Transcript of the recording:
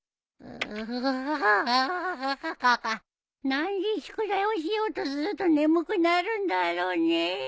何で宿題をしようとすると眠くなるんだろうねえ。